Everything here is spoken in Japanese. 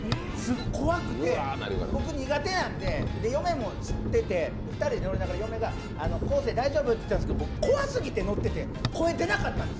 怖くて、僕苦手なので、嫁も知ってて、２人で乗りながら、嫁が昴生大丈夫？って言うんですけど僕、怖すぎて、声、出なかったんです